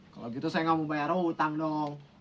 kalau gitu saya nggak mau bayar oh utang dong